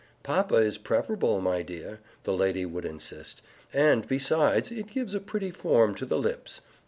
"Papa is preferable, my dear," the lady would insist, "and, besides, it gives a pretty form to the lips.